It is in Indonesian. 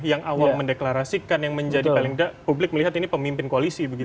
yang awal mendeklarasikan yang menjadi paling tidak publik melihat ini pemimpin koalisi